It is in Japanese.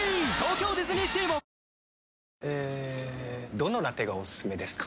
どのラテがおすすめですか？